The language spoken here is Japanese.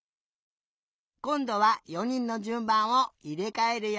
こんどは４にんのじゅんばんをいれかえるよ。